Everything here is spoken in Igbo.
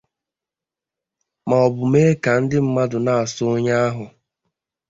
maọbụ mee ka ndị mmadụ na-asọ onye ahụ ahụ